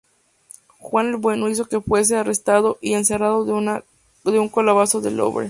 Juan el Bueno hizo que fuese arrestado y encerrado en un calabozo del Louvre.